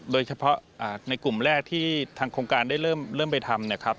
โดยเฉพาะในกลุ่มแรกที่ทางโครงการได้เริ่มไปทำ